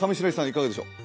いかがでしょう？